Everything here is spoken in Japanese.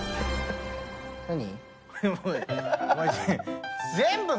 何？